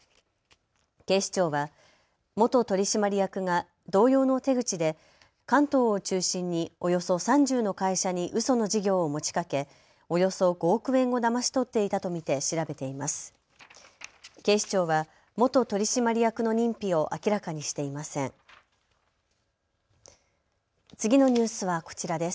警視庁は元取締役が同様の手口で関東を中心におよそ３０の会社にうその事業を持ちかけおよそ５億円をだまし取っていたと見て調べています。